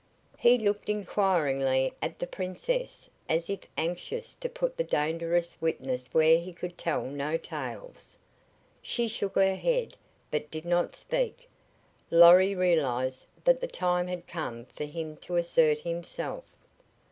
He looked inquiringly at the Princess as if anxious to put the dangerous witness where he could tell no tales. She shook her head, but did not speak. Lorry realized that the time had come for him to assert himself.